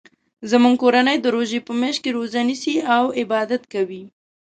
زموږ کورنۍ د روژی په میاشت کې روژه نیسي او عبادت کوي